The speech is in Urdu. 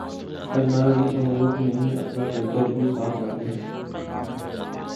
ٹیکنالوجی سہولت ہی نہیں، اپنا کلچر بھی ساتھ لاتی ہے۔